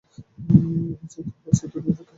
আমি চাই তুমি বাস্তব দুনিয়ায় থাকো।